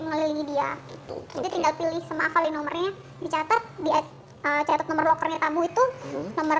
pilih dia tinggal pilih sama kali nomornya dicatat dia catat nomor loker tamu itu nomor